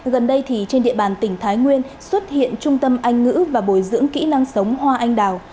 gần đây thì trên địa bàn tỉnh thái nguyên xuất hiện trung tâm anh ngữ và bồi dưỡng kỹ năng sống hoa anh đào